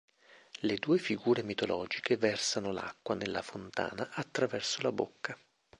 Le due figure mitologiche versano l'acqua nella fontana attraverso la bocca.